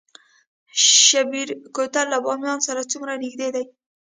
شیبر کوتل له بامیان سره څومره نږدې دی؟